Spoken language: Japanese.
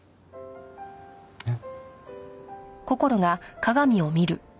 えっ？